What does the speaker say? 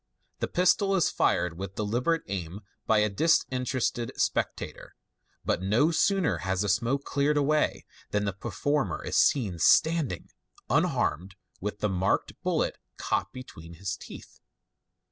The pistol is fired with deliberate aim by a dis interested spectator , but no sooner has the smoke cleared away than the performer is seen standing unharmed, with the marked bullet caught between his teeth.